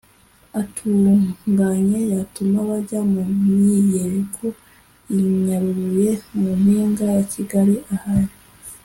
atunganye yatuma bajya mu myiyerekano i nyarubuye( mu mpiga ya kigali ahari